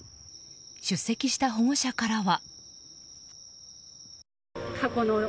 出席した保護者からは。